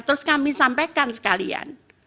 terus kami sampaikan sekalian